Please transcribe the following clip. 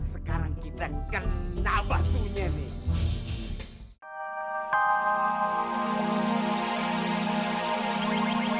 sekarang kita akan nabah punya nih